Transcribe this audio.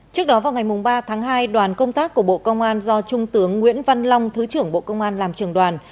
trước đó vào ngày ba tháng hai đoàn công tác của bộ công an do trung tướng nguyễn văn long thứ trưởng bộ công an làm trường đoàn